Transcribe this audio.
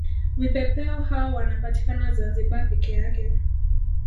Vipepeo hao wanapatikana zanzibar peke yake